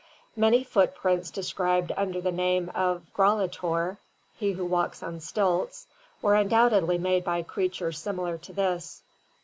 Many footprints de scribed under the name of Grallator (he who walks on stilts) were undoubtedly made by creatures similar to this.